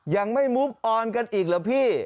ยังไม่มุบออนกันอีกเหรอพี่